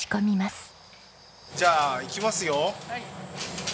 じゃあいきますよ。